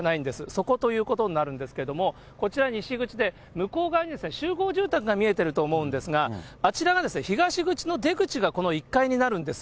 そこということになるんですけども、こちら、西口で、向こう側に集合住宅が見えてると思うんですが、あちらが、東口の出口がこの１階になるんです。